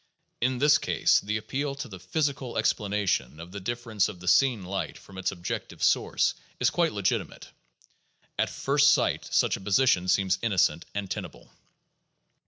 In this case the appeal to the physical explanations of the difference of the seen light from its objective source is quite legitimate. At first sight, such a position seems innocent and tenable.